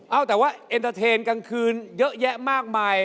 เอาแต่ว่าเอ็นเตอร์เทนกลางคืนเยอะแยะมากมาย